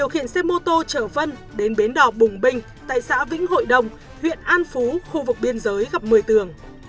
hô tô chở vân đến bến đỏ bùng binh tại xã vĩnh hội đông huyện an phú khu vực biên giới gặp mười tường